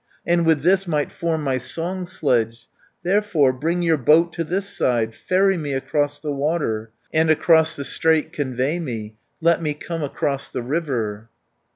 And with this might form my song sledge. Therefore bring your boat to this side, Ferry me across the water, 260 And across the straight convey me, Let me come across the river."